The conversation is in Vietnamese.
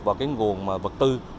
vào nguồn vật tư